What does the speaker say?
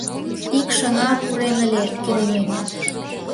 Ик шыҥа пурен ыле, керемет...